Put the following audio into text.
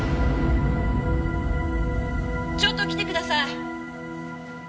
ちょっと来てください！